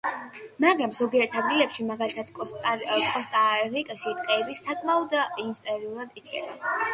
მაგრამ ზოგიერთ ადგილებში, მაგალითად კოსტა-რიკაში, ტყეები საკმაოდ ინტენსიურად იჭრება.